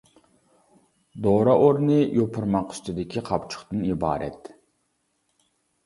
دورا ئورنى يوپۇرماق ئۈستىدىكى قاپچۇقتىن ئىبارەت.